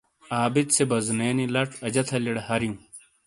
عابد سے بازونے نی لچ اجہ تھلیئ ڈے ہاریوں۔